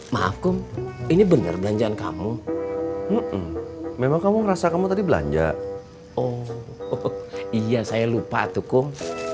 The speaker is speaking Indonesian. maaf kum ini benar belanjaan kamu memang kamu ngerasa kamu tadi belanja oh iya saya lupa tuh kum